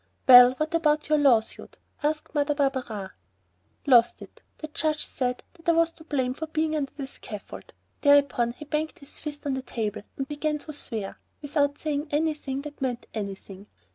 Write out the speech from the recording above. "Well, what about your lawsuit?" asked Mother Barberin. "Lost it. The judge said that I was to blame for being under the scaffold." Thereupon he banged his fist on the table and began to swear, without saying anything that meant anything.